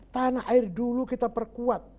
tanah air dulu kita perkuat